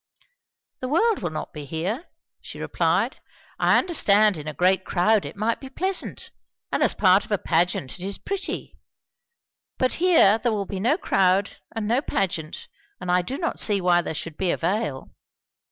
"The world will not be here," she replied. "I understand, in a great crowd it might be pleasant, and as part of a pageant it is pretty; but here there will be no crowd and no pageant; and I do not see why there should be a veil."